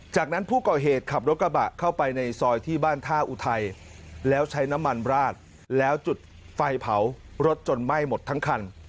จากนั้นผู้ก่อเหตุขับรถกระบะเข้าไปในซอยที่บ้านท่าอุทัยแล้วใช้น้ำมันราดแล้วจุดไฟเผารถจนไหม้หมดทั้งคัน